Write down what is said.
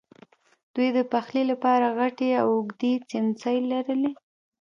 دوی د پخلی لپاره غټې او اوږدې څیمڅۍ لرلې.